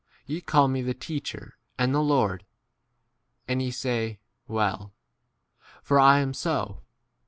Ye * call me the Teacher and the Lord, and ye 14 say well, for I am [so].